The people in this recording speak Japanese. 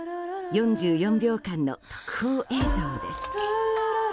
４４秒間の特報映像です。